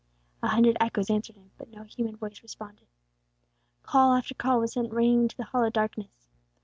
A hundred echoes answered him, but no human voice responded. Call after call was sent ringing into the hollow darkness.